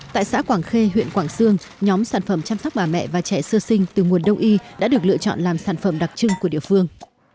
tại xã quảng khê huyện quảng sương nhóm sản phẩm chăm sóc bà mẹ và trẻ sơ sinh từ nguồn đông y đã được lựa chọn làm sản phẩm đặc trưng của địa phương